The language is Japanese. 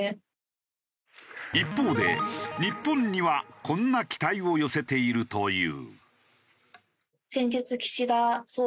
一方で日本にはこんな期待を寄せているという。